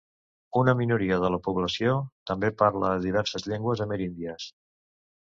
Una minoria de la població també parla diverses llengües ameríndies.